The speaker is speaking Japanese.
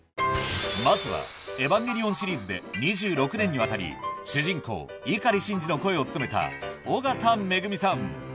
まずは『エヴァンゲリオン』シリーズで２６年にわたり主人公碇シンジの声を務めた緒方恵美さん